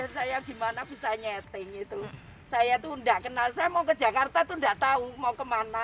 saya gimana bisa nyetting itu saya tuh nggak kenal saya mau ke jakarta tuh nggak tahu mau kemana